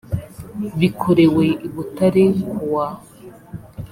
bikorewe i butare kuwa